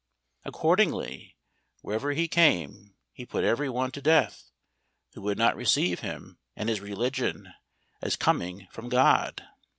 Accordingly wherever he came, he put every one to death, who would not receive him and his religion as coming from God.